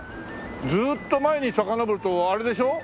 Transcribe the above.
ずーっと前にさかのぼるとあれでしょ？